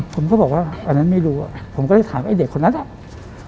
ผมก็บอกว่าอันนั้นไม่รู้อ่ะผมก็เลยถามไอ้เด็กคนนั้นอ่ะ